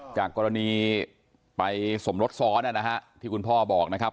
จากกรณีไปสมรสซ้อนนะฮะที่คุณพ่อบอกนะครับ